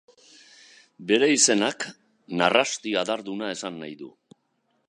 Bere izenak narrasti adarduna esan nahi du.